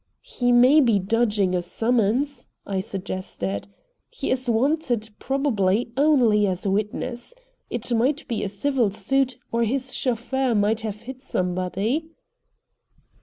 "He may be dodging a summons," I suggested. "He is wanted, probably, only as a witness. It might be a civil suit, or his chauffeur may have hit somebody."